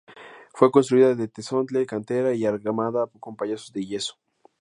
Fue construida de tezontle, cantera y argamasa, con paños de yeso.